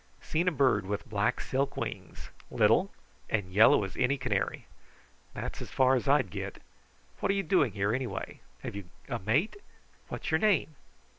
'Seen a bird with black silk wings little, and yellow as any canary.' That's as far as I'd get. What you doing here, anyway? Have you a mate? What's your name?